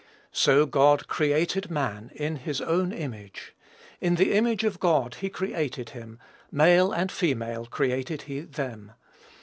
So God created man in his own image, in the image of God created he him: male and female created he them.